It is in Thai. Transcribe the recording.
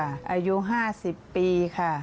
อายุห้าสิบปีค่ะ